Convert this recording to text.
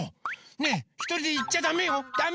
ねえひとりでいっちゃダメよダメ！